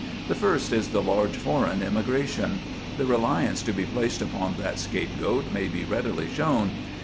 The first is the large foreign immigration. The reliance to be placed upon that scapegoat may be readily shown.